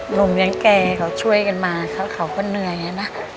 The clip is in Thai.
ลมเลี้ยงแก่เขาช่วยกันมาเขาก็เหนื่อยนะ